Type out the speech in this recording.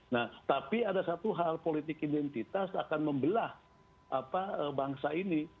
nah tapi ada satu hal politik identitas akan membelah bangsa ini